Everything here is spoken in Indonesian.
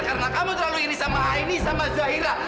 karena kamu terlalu iri sama aini sama zahira